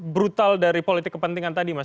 brutal dari politik kepentingan tadi mas